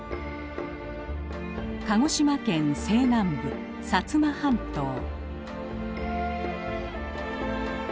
鹿児島県西南部摩半島。